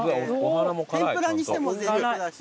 天ぷらにしてもぜいたくだし。